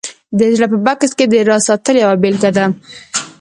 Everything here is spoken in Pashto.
د زړه په بکس کې د راز ساتل یوه بېلګه ده